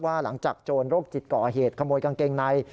หลังจากโจรโรคจิตก่อเหตุขโมยกางเกงใน